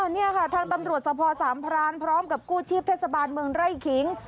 นี่ค่ะทางตำรวจสภสามพรานพร้อมกับกู้ชีพเทศบาลเมืองไร่ขิง